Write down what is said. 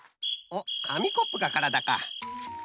おっかみコップがからだか。